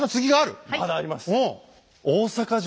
まだあります。